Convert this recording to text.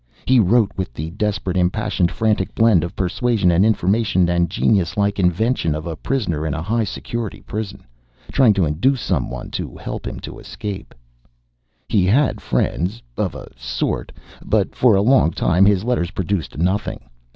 He wrote with the desperate, impassioned, frantic blend of persuasion and information and genius like invention of a prisoner in a high security prison, trying to induce someone to help him escape. He had friends, of a sort, but for a long time his letters produced nothing.